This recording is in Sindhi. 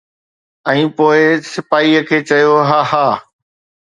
۽ پوءِ سپاهيءَ کي چيو ”ها ها.